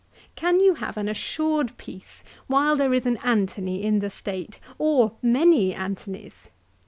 "Can you have an assured peace while there is an Antony in the State, or many Antonys